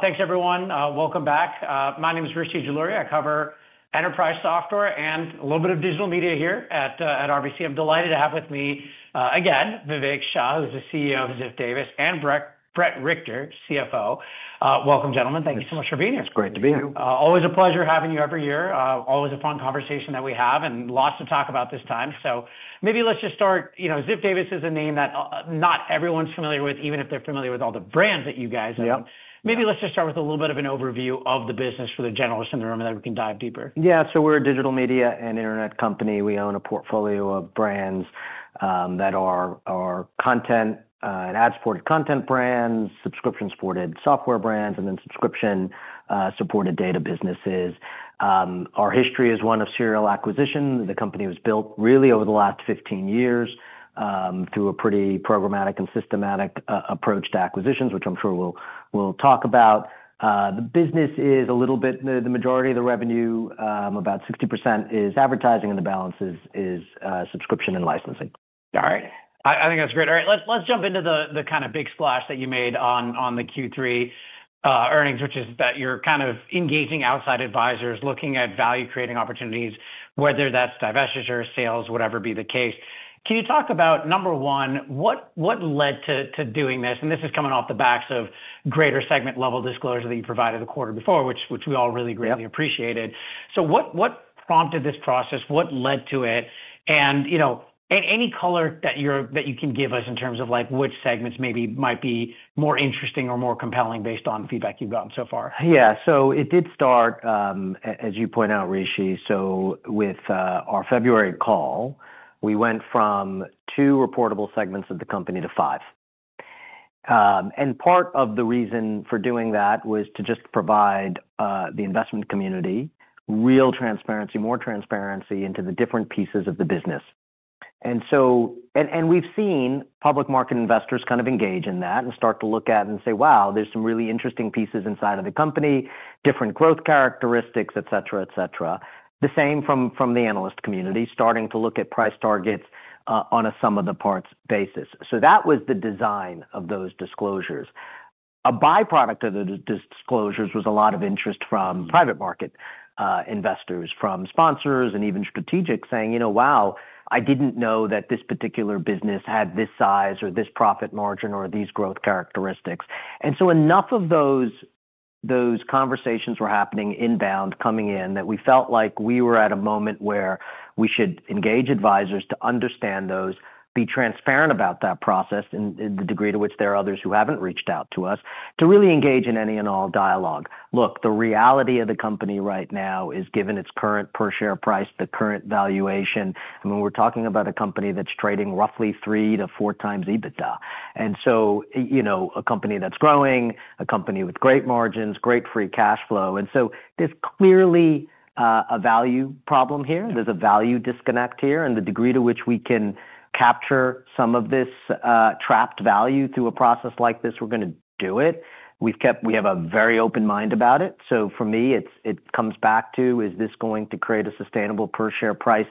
Thanks, everyone. Welcome back. My name is Rishi Jaluria. I cover enterprise software and a little bit of digital media here at RBC. I'm delighted to have with me again Vivek Shah, who's the CEO of Ziff Davis and Bret Richter, CFO. Welcome, gentlemen. Thank you so much for being here. It's great to be here. Always a pleasure having you every year. Always a fun conversation that we have and lots to talk about this time. Maybe let's just start. Ziff Davis is a name that not everyone's familiar with, even if they're familiar with all the brands that you guys have. Maybe let's just start with a little bit of an overview of the business for the generalists in the room and then we can dive deeper. Yeah, so we're a digital media and internet company. We own a portfolio of brands that are content and ad-supported content brands, subscription-supported software brands, and then subscription-supported data businesses. Our history is one of serial acquisition. The company was built really over the last 15 years through a pretty programmatic and systematic approach to acquisitions, which I'm sure we'll talk about. The business is a little bit the majority of the revenue, about 60% is advertising, and the balance is subscription and licensing. All right. I think that's great. All right, let's jump into the kind of big splash that you made on the Q3 earnings, which is that you're kind of engaging outside advisors looking at value-creating opportunities, whether that's divestiture, sales, whatever be the case. Can you talk about, number one, what led to doing this? This is coming off the backs of greater segment-level disclosure that you provided the quarter before, which we all really greatly appreciated. What prompted this process? What led to it? Any color that you can give us in terms of which segments maybe might be more interesting or more compelling based on feedback you've gotten so far? Yeah, so it did start, as you point out, Rishi, with our February call, we went from two reportable segments of the company to five. Part of the reason for doing that was to just provide the investment community real transparency, more transparency into the different pieces of the business. We have seen public market investors kind of engage in that and start to look at and say, "Wow, there's some really interesting pieces inside of the company, different growth characteristics, et cetera, et cetera." The same from the analyst community starting to look at price targets on a some-of-the-parts basis. That was the design of those disclosures. A byproduct of the disclosures was a lot of interest from private market investors, from sponsors, and even strategics saying, "You know, wow, I didn't know that this particular business had this size or this profit margin or these growth characteristics." Enough of those conversations were happening inbound, coming in, that we felt like we were at a moment where we should engage advisors to understand those, be transparent about that process in the degree to which there are others who haven't reached out to us, to really engage in any and all dialogue. Look, the reality of the company right now is given its current per-share price, the current valuation. I mean, we're talking about a company that's trading roughly 3x-4x EBITDA. A company that's growing, a company with great margins, great free cash flow. There is clearly a value problem here. There is a value disconnect here. The degree to which we can capture some of this trapped value through a process like this, we are going to do it. We have a very open mind about it. For me, it comes back to, is this going to create a sustainable per-share price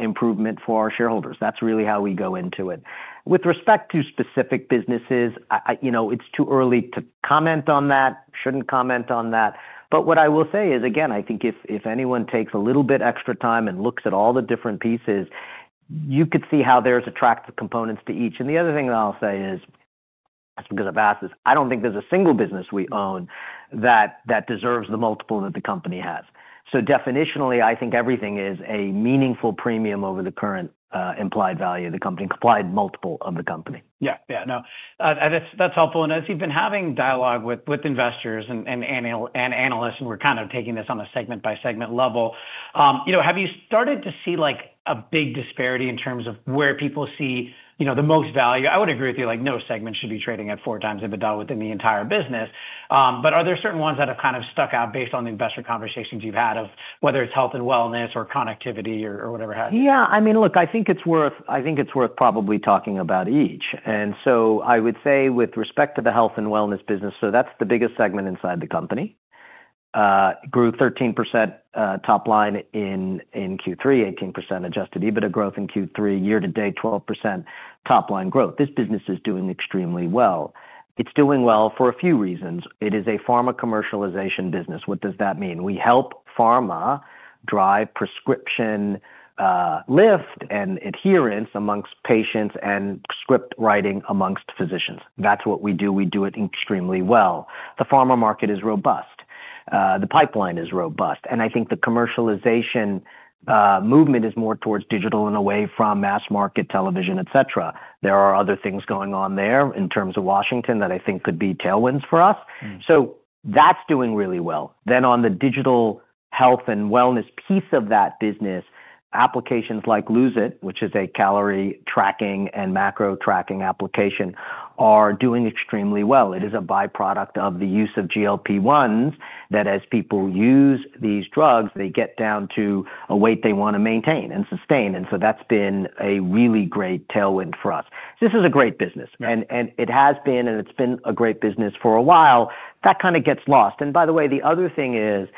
improvement for our shareholders? That is really how we go into it. With respect to specific businesses, it is too early to comment on that. Should not comment on that. What I will say is, again, I think if anyone takes a little bit extra time and looks at all the different pieces, you could see how there are attractive components to each. The other thing that I will say is, just because I have been asked this, I do not think there is a single business we own that deserves the multiple that the company has. Definitionally, I think everything is a meaningful premium over the current implied value of the company, implied multiple of the company. Yeah, yeah. No, that's helpful. As you've been having dialogue with investors and analysts, and we're kind of taking this on a segment-by-segment level, have you started to see a big disparity in terms of where people see the most value? I would agree with you, no segment should be trading at 4x EBITDA within the entire business. Are there certain ones that have kind of stuck out based on the investor conversations you've had of whether it's health and wellness or connectivity or whatever? Yeah, I mean, look, I think it's worth probably talking about each. I would say with respect to the health and wellness business, that's the biggest segment inside the company. Grew 13% top line in Q3, 18% adjusted EBITDA growth in Q3, year-to-date 12% top line growth. This business is doing extremely well. It's doing well for a few reasons. It is a pharma commercialization business. What does that mean? We help pharma drive prescription lift and adherence amongst patients and script writing amongst physicians. That's what we do. We do it extremely well. The pharma market is robust. The pipeline is robust. I think the commercialization movement is more towards digital and away from mass market television, et cetera. There are other things going on there in terms of Washington that I think could be tailwinds for us. That's doing really well. On the digital health and wellness piece of that business, applications like Lose It, which is a calorie tracking and macro tracking application, are doing extremely well. It is a byproduct of the use of GLP-1s that as people use these drugs, they get down to a weight they want to maintain and sustain. That has been a really great tailwind for us. This is a great business. It has been, and it's been a great business for a while. That kind of gets lost. By the way, the other thing is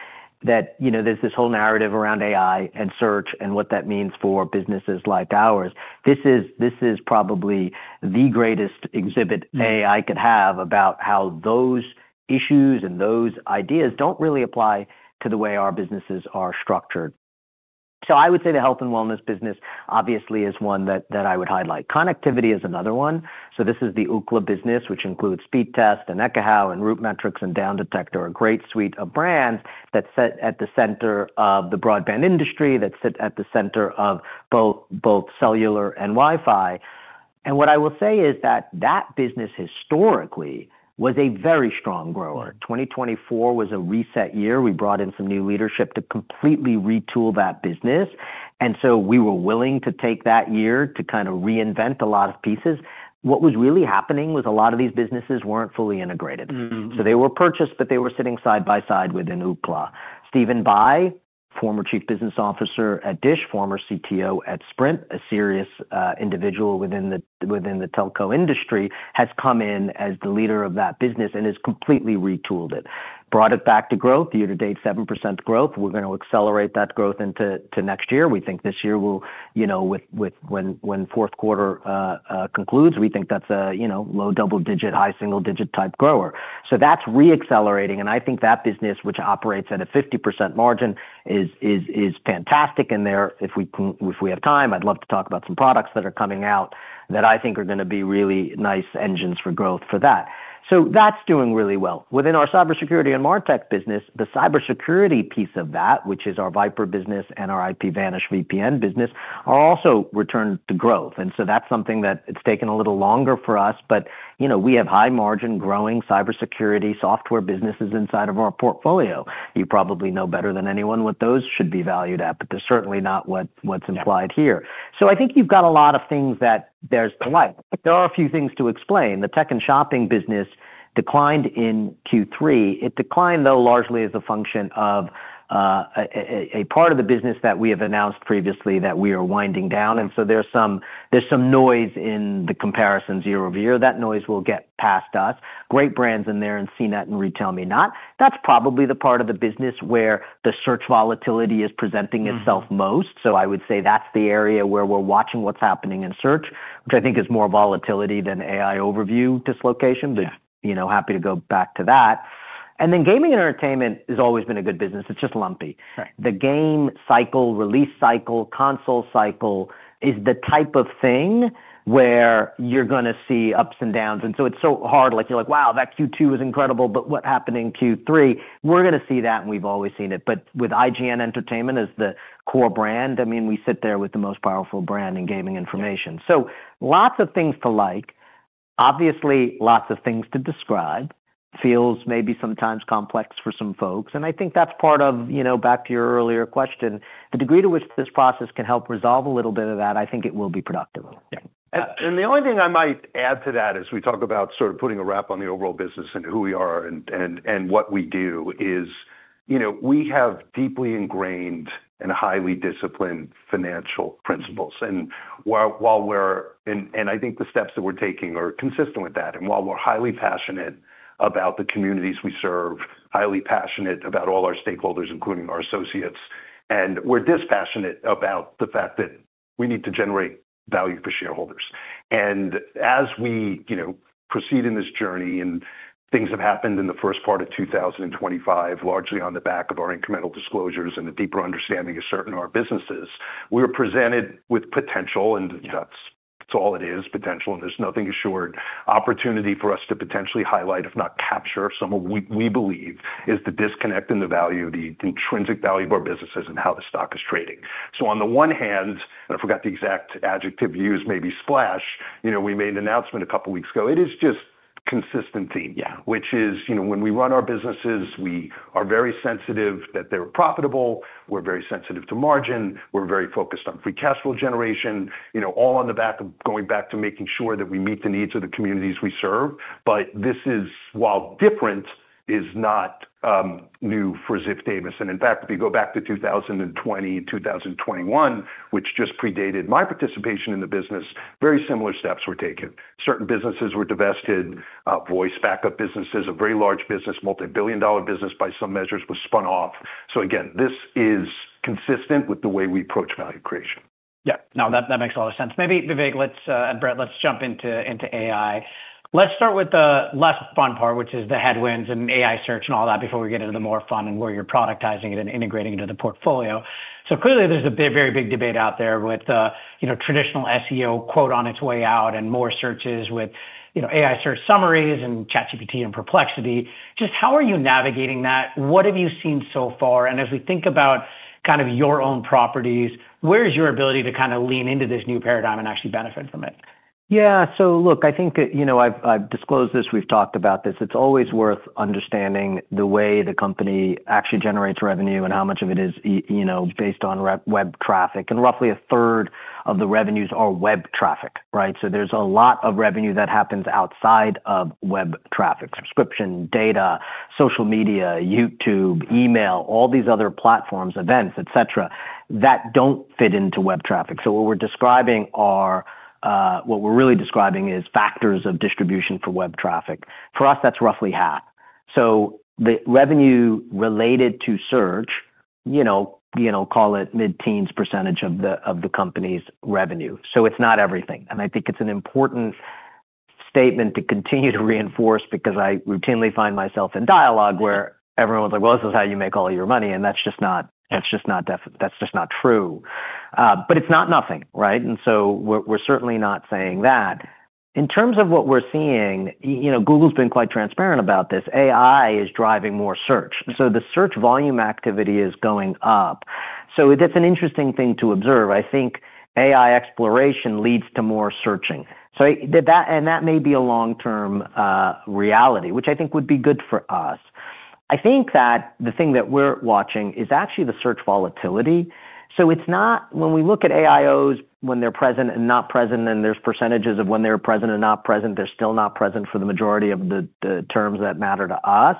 that there's this whole narrative around AI and search and what that means for businesses like ours. This is probably the greatest exhibit AI could have about how those issues and those ideas don't really apply to the way our businesses are structured. I would say the health and wellness business obviously is one that I would highlight. Connectivity is another one. This is the Ookla business, which includes Speedtest and Ekahau and RootMetrics and Downdetector, a great suite of brands that sit at the center of the broadband industry, that sit at the center of both cellular and Wi-Fi. What I will say is that that business historically was a very strong grower. 2024 was a reset year. We brought in some new leadership to completely retool that business. We were willing to take that year to kind of reinvent a lot of pieces. What was really happening was a lot of these businesses were not fully integrated. They were purchased, but they were sitting side by side with an Ookla. Steven Bai, former Chief Business Officer at Dish, former CTO at Sprint, a serious individual within the telco industry, has come in as the leader of that business and has completely retooled it, brought it back to growth. Year-to-date, 7% growth. We are going to accelerate that growth into next year. We think this year will, when fourth quarter concludes, we think that is a low double-digit, high single-digit type grower. That is reaccelerating. I think that business, which operates at a 50% margin, is fantastic. If we have time, I would love to talk about some products that are coming out that I think are going to be really nice engines for growth for that. That is doing really well. Within our cybersecurity and MarTech business, the cybersecurity piece of that, which is our Viper business and our IPVanish VPN business, are also returned to growth. That's something that it's taken a little longer for us, but we have high-margin growing cybersecurity software businesses inside of our portfolio. You probably know better than anyone what those should be valued at, but they're certainly not what's implied here. I think you've got a lot of things that there's a few things to explain. The tech and shopping business declined in Q3. It declined, though, largely as a function of a part of the business that we have announced previously that we are winding down. There's some noise in the comparison year over year. That noise will get past us. Great brands in there in CNET and RetailMeNot. That's probably the part of the business where the search volatility is presenting itself most. I would say that's the area where we're watching what's happening in search, which I think is more volatility than AI overview dislocation. Happy to go back to that. Gaming and entertainment has always been a good business. It's just lumpy. The game cycle, release cycle, console cycle is the type of thing where you're going to see ups and downs. It's so hard. You're like, "Wow, that Q2 was incredible, but what's happening Q3?" We're going to see that, and we've always seen it. With IGN Entertainment as the core brand, I mean, we sit there with the most powerful brand in gaming information. Lots of things to like. Obviously, lots of things to describe. Feels maybe sometimes complex for some folks. I think that's part of, back to your earlier question, the degree to which this process can help resolve a little bit of that, I think it will be productive. The only thing I might add to that as we talk about sort of putting a wrap on the overall business and who we are and what we do is we have deeply ingrained and highly disciplined financial principles. I think the steps that we're taking are consistent with that. While we're highly passionate about the communities we serve, highly passionate about all our stakeholders, including our associates, we're dispassionate about the fact that we need to generate value for shareholders. As we proceed in this journey and things have happened in the first part of 2025, largely on the back of our incremental disclosures and the deeper understanding of certain of our businesses, we were presented with potential, and that's all it is, potential. There's nothing assured. Opportunity for us to potentially highlight, if not capture, some of what we believe is the disconnect and the value, the intrinsic value of our businesses and how the stock is trading. On the one hand, and I forgot the exact adjective you used, maybe splash, we made an announcement a couple of weeks ago. It is just consistency, which is when we run our businesses, we are very sensitive that they're profitable. We're very sensitive to margin. We're very focused on free cash flow generation, all on the back of going back to making sure that we meet the needs of the communities we serve. This is, while different, is not new for Ziff Davis. In fact, if you go back to 2020, 2021, which just predated my participation in the business, very similar steps were taken. Certain businesses were divested. Voice backup businesses, a very large business, multi-billion dollar business by some measures, was spun off. This is consistent with the way we approach value creation. Yeah. No, that makes a lot of sense. Maybe, Vivek, and Brett, let's jump into AI. Let's start with the less fun part, which is the headwinds and AI search and all that before we get into the more fun and where you're productizing it and integrating into the portfolio. Clearly, there's a very big debate out there with traditional SEO quote on its way out and more searches with AI search summaries and ChatGPT and Perplexity. Just how are you navigating that? What have you seen so far? As we think about kind of your own properties, where is your ability to kind of lean into this new paradigm and actually benefit from it? Yeah. Look, I think I've disclosed this. We've talked about this. It's always worth understanding the way the company actually generates revenue and how much of it is based on web traffic. Roughly a third of the revenues are web traffic, right? There's a lot of revenue that happens outside of web traffic, subscription, data, social media, YouTube, email, all these other platforms, events, et cetera, that don't fit into web traffic. What we're describing, or what we're really describing, is factors of distribution for web traffic. For us, that's roughly half. The revenue related to search, call it mid-teens % of the company's revenue. It's not everything. I think it's an important statement to continue to reinforce because I routinely find myself in dialogue where everyone's like, "Well, this is how you make all your money." That's just not true. It's not nothing, right? We're certainly not saying that. In terms of what we're seeing, Google's been quite transparent about this. AI is driving more search. The search volume activity is going up. That's an interesting thing to observe. I think AI exploration leads to more searching. That may be a long-term reality, which I think would be good for us. The thing that we're watching is actually the search volatility. When we look at AIOs, when they're present and not present, and there's percentages of when they're present and not present, they're still not present for the majority of the terms that matter to us.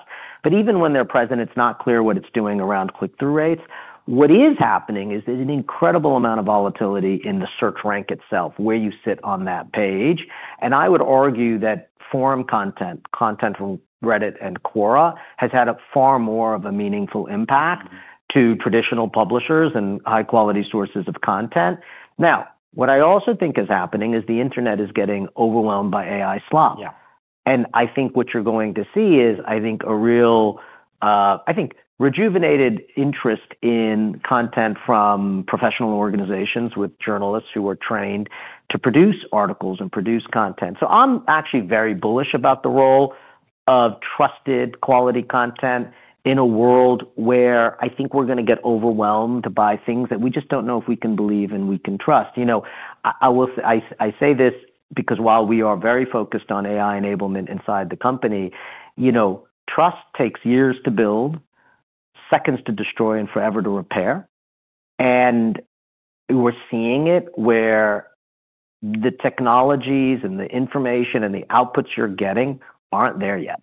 Even when they're present, it's not clear what it's doing around click-through rates. What is happening is there's an incredible amount of volatility in the search rank itself, where you sit on that page. I would argue that forum content, content from Reddit and Quora, has had far more of a meaningful impact to traditional publishers and high-quality sources of content. Now, what I also think is happening is the internet is getting overwhelmed by AI slop. I think what you're going to see is, I think, a real, I think, rejuvenated interest in content from professional organizations with journalists who are trained to produce articles and produce content. I'm actually very bullish about the role of trusted quality content in a world where I think we're going to get overwhelmed by things that we just don't know if we can believe and we can trust. I say this because while we are very focused on AI enablement inside the company, trust takes years to build, seconds to destroy, and forever to repair. We are seeing it where the technologies and the information and the outputs you're getting aren't there yet.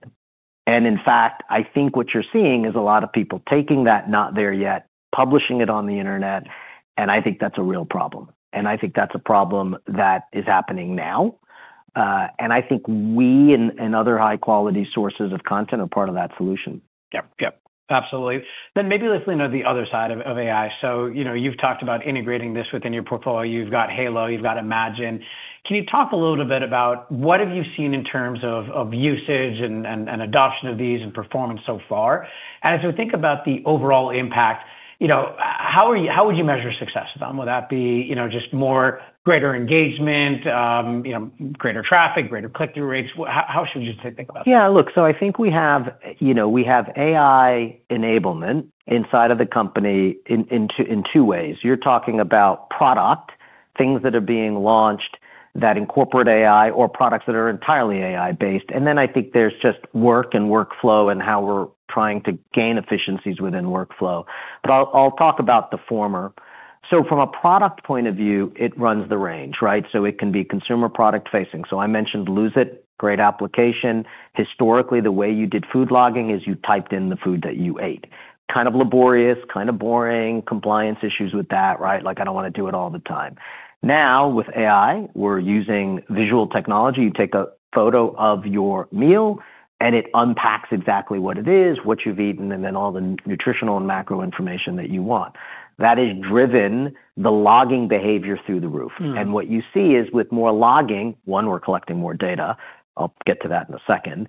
In fact, I think what you're seeing is a lot of people taking that not there yet, publishing it on the internet. I think that's a real problem. I think that's a problem that is happening now. I think we and other high-quality sources of content are part of that solution. Yep. Yep. Absolutely. Maybe let's lean on the other side of AI. You've talked about integrating this within your portfolio. You've got Halo. You've got Imagine. Can you talk a little bit about what have you seen in terms of usage and adoption of these and performance so far? As we think about the overall impact, how would you measure success with them? Would that be just more greater engagement, greater traffic, greater click-through rates? How should you think about that? Yeah. Look, I think we have AI enablement inside of the company in two ways. You're talking about product, things that are being launched that incorporate AI or products that are entirely AI-based. I think there's just work and workflow and how we're trying to gain efficiencies within workflow. I'll talk about the former. From a product point of view, it runs the range, right? It can be consumer product facing. I mentioned Lose It, great application. Historically, the way you did food logging is you typed in the food that you ate. Kind of laborious, kind of boring, compliance issues with that, right? Like, I don't want to do it all the time. Now, with AI, we're using visual technology. You take a photo of your meal, and it unpacks exactly what it is, what you've eaten, and then all the nutritional and macro information that you want. That has driven the logging behavior through the roof. What you see is with more logging, one, we're collecting more data. I'll get to that in a second.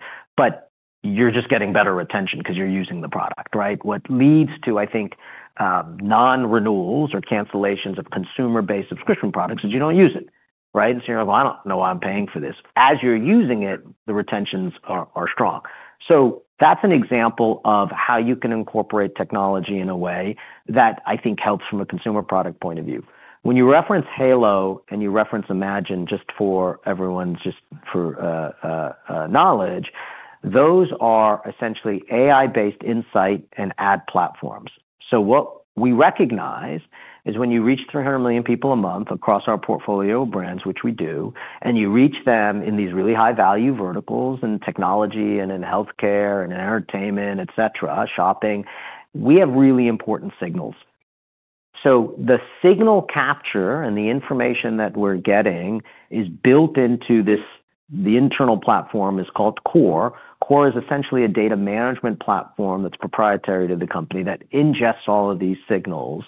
You're just getting better retention because you're using the product, right? What leads to, I think, non-renewals or cancellations of consumer-based subscription products is you don't use it, right? You're like, "Well, I don't know why I'm paying for this." As you're using it, the retentions are strong. That's an example of how you can incorporate technology in a way that I think helps from a consumer product point of view. When you reference Halo and you reference Imagine, just for everyone's knowledge, those are essentially AI-based insight and ad platforms. What we recognize is when you reach 300 million people a month across our portfolio of brands, which we do, and you reach them in these really high-value verticals in technology and in healthcare and in entertainment, et cetera, shopping, we have really important signals. The signal capture and the information that we're getting is built into this. The internal platform is called Core. Core is essentially a data management platform that's proprietary to the company that ingests all of these signals.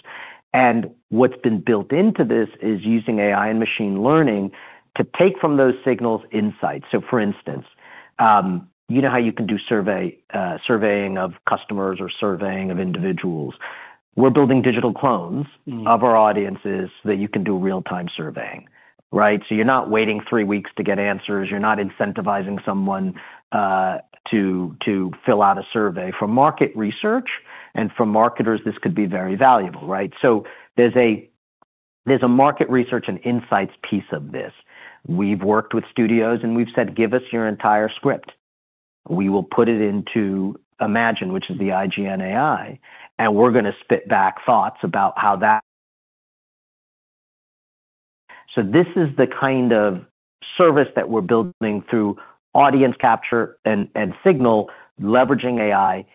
What's been built into this is using AI and machine learning to take from those signals insights. For instance, you know how you can do surveying of customers or surveying of individuals. We're building digital clones of our audiences that you can do real-time surveying, right? You're not waiting three weeks to get answers. You're not incentivizing someone to fill out a survey. From market research and from marketers, this could be very valuable, right? There's a market research and insights piece of this. We've worked with studios, and we've said, "Give us your entire script. We will put it into Imagine, which is the IGN AI. We're going to spit back thoughts about how that." This is the kind of service that we're building through audience capture and signal, leveraging AI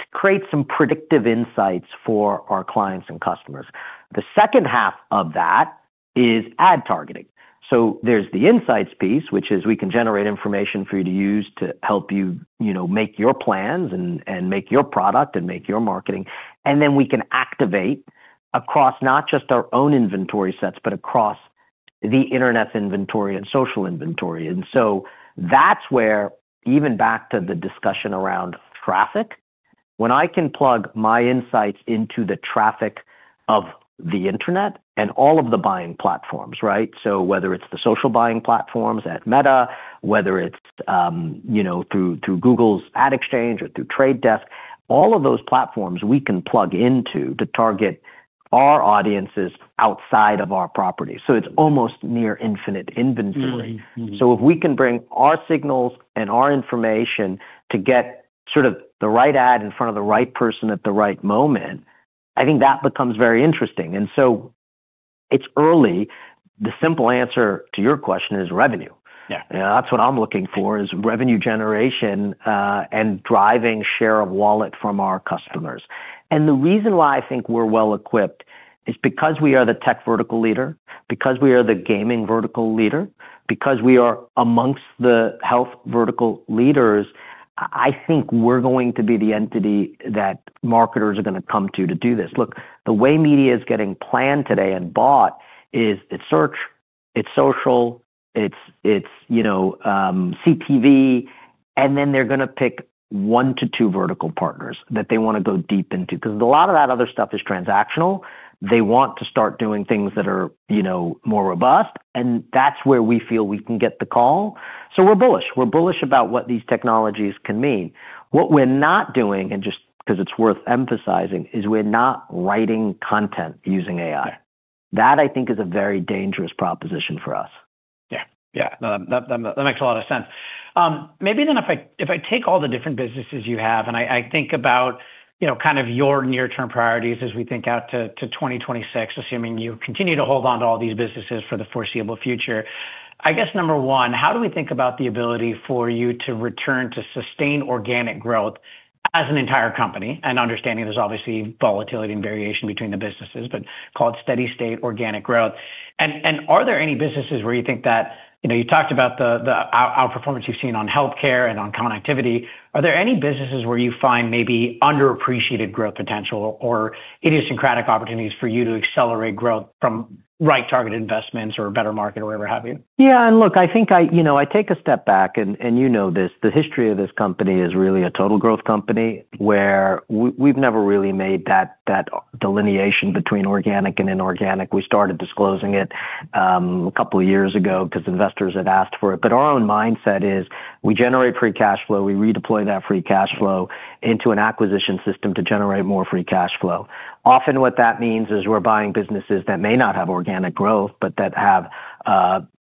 to create some predictive insights for our clients and customers. The second half of that is ad targeting. There is the insights piece, which is we can generate information for you to use to help you make your plans and make your product and make your marketing. Then we can activate across not just our own inventory sets, but across the internet's inventory and social inventory. That is where, even back to the discussion around traffic, when I can plug my insights into the traffic of the internet and all of the buying platforms, right? Whether it is the social buying platforms at Meta, whether it is through Google's Ad Exchange or through The Trade Desk, all of those platforms we can plug into to target our audiences outside of our property. It is almost near infinite inventory. If we can bring our signals and our information to get sort of the right ad in front of the right person at the right moment, I think that becomes very interesting. It is early. The simple answer to your question is revenue. That is what I am looking for is revenue generation and driving share of wallet from our customers. The reason why I think we are well equipped is because we are the tech vertical leader, because we are the gaming vertical leader, because we are amongst the health vertical leaders. I think we are going to be the entity that marketers are going to come to to do this. Look, the way media is getting planned today and bought is it is search, it is social, it is CTV, and then they are going to pick one to two vertical partners that they want to go deep into. Because a lot of that other stuff is transactional. They want to start doing things that are more robust, and that is where we feel we can get the call. We are bullish. We are bullish about what these technologies can mean. What we are not doing, and just because it is worth emphasizing, is we are not writing content using AI. That, I think, is a very dangerous proposition for us. Yeah. Yeah. That makes a lot of sense. Maybe then if I take all the different businesses you have and I think about kind of your near-term priorities as we think out to 2026, assuming you continue to hold on to all these businesses for the foreseeable future, I guess, number one, how do we think about the ability for you to return to sustain organic growth as an entire company? I mean, understanding there's obviously volatility and variation between the businesses, but call it steady state organic growth. Are there any businesses where you think that you talked about the outperformance you've seen on healthcare and on connectivity? Are there any businesses where you find maybe underappreciated growth potential or idiosyncratic opportunities for you to accelerate growth from right-targeted investments or a better market or whatever have you? Yeah. Look, I think I take a step back, and you know this. The history of this company is really a total growth company where we've never really made that delineation between organic and inorganic. We started disclosing it a couple of years ago because investors had asked for it. Our own mindset is we generate free cash flow. We redeploy that free cash flow into an acquisition system to generate more free cash flow. Often what that means is we're buying businesses that may not have organic growth, but that have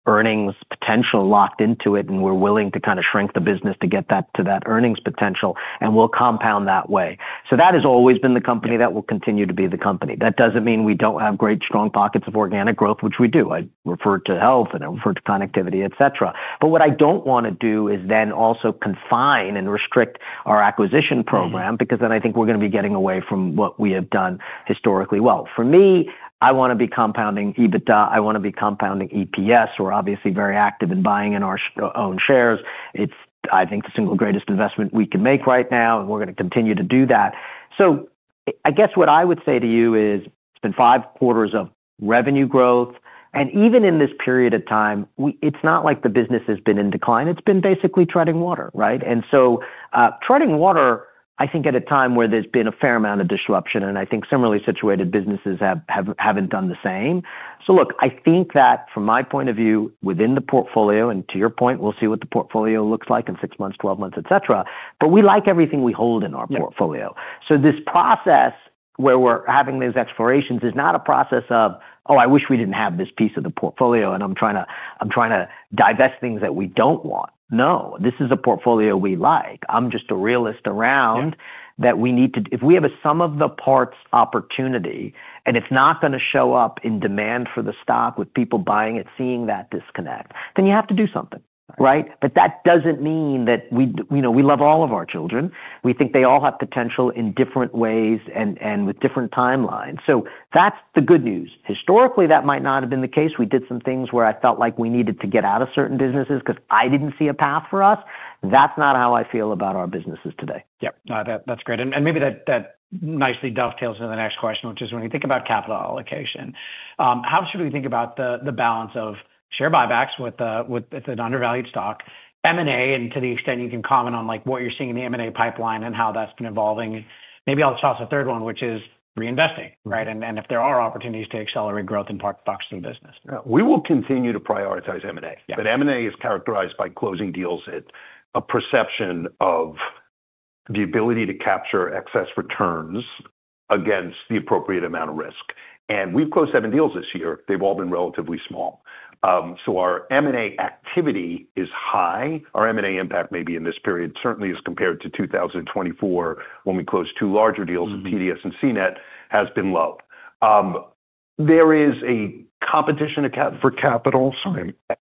earnings potential locked into it, and we're willing to kind of shrink the business to get that to that earnings potential, and we'll compound that way. That has always been the company that will continue to be the company. That doesn't mean we don't have great, strong pockets of organic growth, which we do. I refer to health, and I refer to connectivity, et cetera. What I do not want to do is then also confine and restrict our acquisition program because then I think we are going to be getting away from what we have done historically well. For me, I want to be compounding EBITDA. I want to be compounding EPS. We are obviously very active in buying in our own shares. I think it is the single greatest investment we can make right now, and we are going to continue to do that. I guess what I would say to you is it has been five quarters of revenue growth. Even in this period of time, it is not like the business has been in decline. It has been basically treading water, right? Treading water, I think, at a time where there's been a fair amount of disruption, and I think similarly situated businesses haven't done the same. Look, I think that from my point of view, within the portfolio, and to your point, we'll see what the portfolio looks like in six months, 12 months, et cetera. We like everything we hold in our portfolio. This process where we're having these explorations is not a process of, "Oh, I wish we didn't have this piece of the portfolio, and I'm trying to divest things that we don't want." No. This is a portfolio we like. I'm just a realist around that we need to, if we have a sum of the parts opportunity, and it's not going to show up in demand for the stock with people buying it, seeing that disconnect, then you have to do something, right? That doesn't mean that we love all of our children. We think they all have potential in different ways and with different timelines. That's the good news. Historically, that might not have been the case. We did some things where I felt like we needed to get out of certain businesses because I didn't see a path for us. That's not how I feel about our businesses today. Yep. No, that's great. Maybe that nicely dovetails into the next question, which is when you think about capital allocation, how should we think about the balance of share buybacks with an undervalued stock, M&A, and to the extent you can comment on what you're seeing in the M&A pipeline and how that's been evolving. Maybe I'll toss a third one, which is reinvesting, right? And if there are opportunities to accelerate growth and park the box through business. We will continue to prioritize M&A. M&A is characterized by closing deals at a perception of the ability to capture excess returns against the appropriate amount of risk. We have closed seven deals this year. They have all been relatively small. Our M&A activity is high. Our M&A impact maybe in this period certainly is compared to 2024 when we closed two larger deals with TDS and CNET has been low. There is a competition for capital. Sorry. A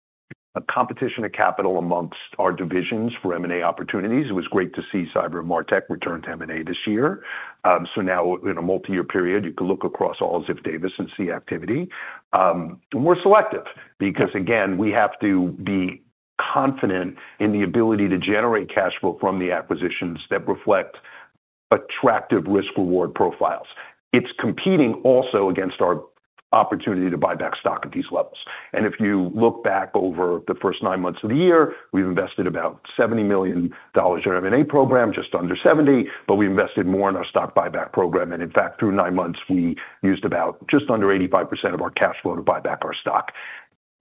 competition of capital amongst our divisions for M&A opportunities. It was great to see Cyber and MarTech return to M&A this year. In a multi-year period, you could look across all of Ziff Davis and see activity. We are selective because, again, we have to be confident in the ability to generate cash flow from the acquisitions that reflect attractive risk-reward profiles. It's competing also against our opportunity to buy back stock at these levels. If you look back over the first nine months of the year, we've invested about $70 million in our M&A program, just under $70 million, but we invested more in our stock buyback program. In fact, through nine months, we used about just under 85% of our cash flow to buy back our stock.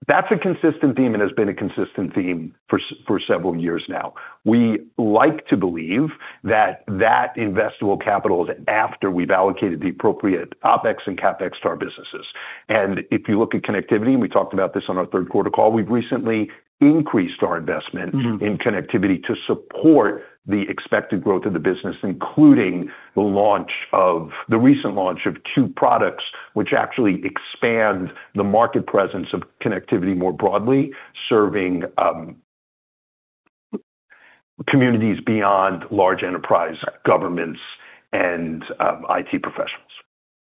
That's a consistent theme and has been a consistent theme for several years now. We like to believe that that investable capital is after we've allocated the appropriate OpEx and CapEx to our businesses. If you look at connectivity, and we talked about this on our third quarter call, we've recently increased our investment in connectivity to support the expected growth of the business, including the recent launch of two products, which actually expand the market presence of connectivity more broadly, serving communities beyond large enterprise governments and IT professionals.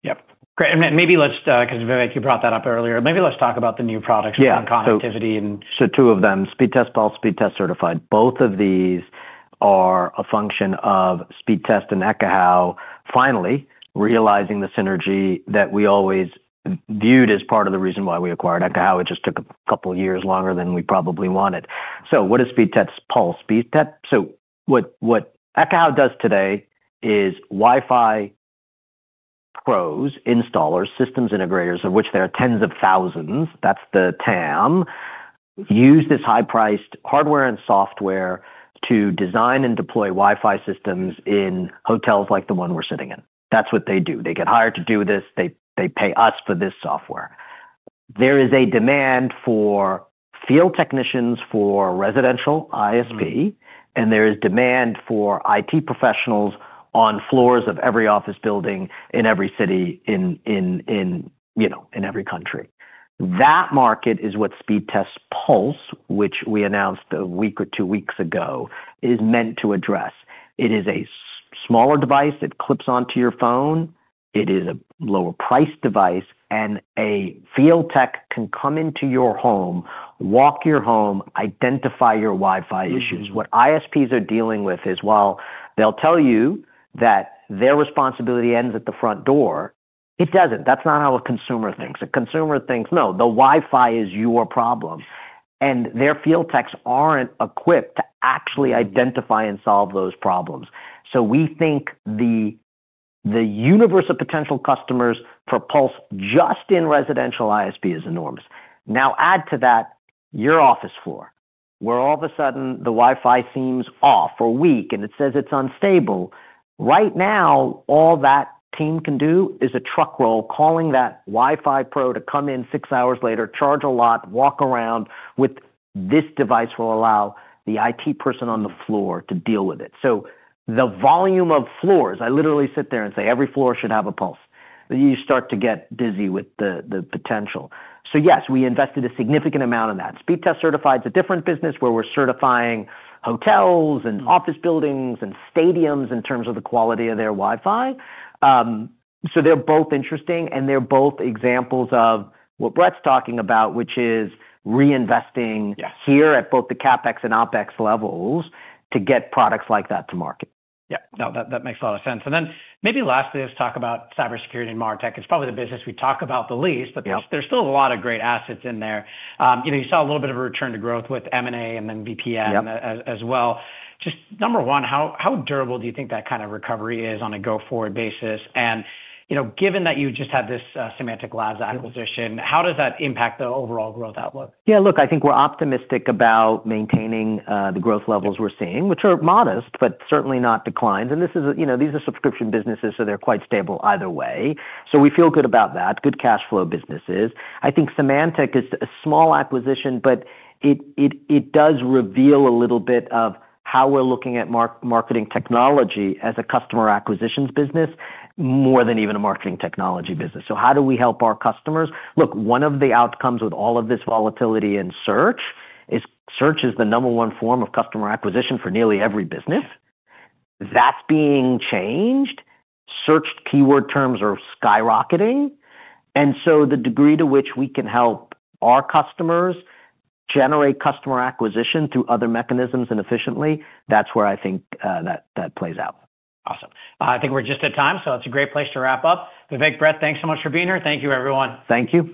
Yep. Great. Maybe let's, because Vivek, you brought that up earlier, maybe let's talk about the new products around connectivity. Two of them, Speedtest Pulse and Speedtest Certified. Both of these are a function of Speedtest and Ekahau finally realizing the synergy that we always viewed as part of the reason why we acquired Ekahau. It just took a couple of years longer than we probably wanted. What is Speedtest Pulse? What Ekahau does today is Wi-Fi pros, installers, systems integrators, of which there are tens of thousands, that's the TAM, use this high-priced hardware and software to design and deploy Wi-Fi systems in hotels like the one we're sitting in. That's what they do. They get hired to do this. They pay us for this software. There is a demand for field technicians for residential ISP, and there is demand for IT professionals on floors of every office building in every city in every country. That market is what Speedtest Pulse, which we announced a week or two weeks ago, is meant to address. It is a smaller device. It clips onto your phone. It is a lower-priced device, and a field tech can come into your home, walk your home, identify your Wi-Fi issues. What ISPs are dealing with is, while they'll tell you that their responsibility ends at the front door, it doesn't. That's not how a consumer thinks. A consumer thinks, "No, the Wi-Fi is your problem." Their field techs aren't equipped to actually identify and solve those problems. We think the universe of potential customers for Pulse just in residential ISP is enormous. Now add to that your office floor, where all of a sudden the Wi-Fi seems off for a week, and it says it's unstable. Right now, all that team can do is a truck roll, calling that Wi-Fi pro to come in six hours later, charge a lot, walk around with this device will allow the IT person on the floor to deal with it. The volume of floors, I literally sit there and say, "Every floor should have a Pulse." You start to get dizzy with the potential. Yes, we invested a significant amount in that. Speedtest Certified is a different business where we are certifying hotels and office buildings and stadiums in terms of the quality of their Wi-Fi. They are both interesting, and they are both examples of what Bret's talking about, which is reinvesting here at both the CapEx and OpEx levels to get products like that to market. Yeah. No, that makes a lot of sense. Maybe lastly, let's talk about cybersecurity and MarTech. It's probably the business we talk about the least, but there's still a lot of great assets in there. You saw a little bit of a return to growth with M&A and then VPN as well. Just number one, how durable do you think that kind of recovery is on a go-forward basis? Given that you just had this Symantec Labs acquisition, how does that impact the overall growth outlook? Yeah. Look, I think we're optimistic about maintaining the growth levels we're seeing, which are modest, but certainly not declines. These are subscription businesses, so they're quite stable either way. We feel good about that. Good cash flow businesses. I think Symantec is a small acquisition, but it does reveal a little bit of how we're looking at marketing technology as a customer acquisitions business more than even a marketing technology business. How do we help our customers? One of the outcomes with all of this volatility in search is search is the number one form of customer acquisition for nearly every business. That's being changed. Search keyword terms are skyrocketing. The degree to which we can help our customers generate customer acquisition through other mechanisms and efficiently, that's where I think that plays out. Awesome. I think we're just at time, so it's a great place to wrap up. Vivek, Bret, thanks so much for being here. Thank you, everyone. Thank you.